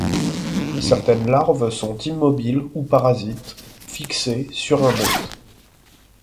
Certaines larves sont immobiles ou parasites, fixée sur un hôte.